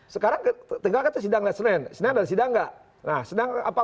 sekarang tinggal kan itu sidang dari senin senin ada sidang nggak